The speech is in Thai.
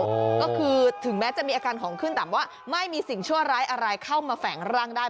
ก็คือถึงแม้จะมีอาการของขึ้นแต่ว่าไม่มีสิ่งชั่วร้ายอะไรเข้ามาแฝงร่างได้